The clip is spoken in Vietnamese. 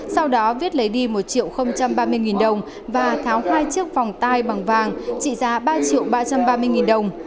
sau đó viết lấy đi một triệu ba mươi đồng và tháo hai chiếc phòng tai bằng vàng trị giá ba triệu ba trăm ba mươi đồng